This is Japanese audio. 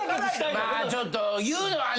ちょっと言うのはね。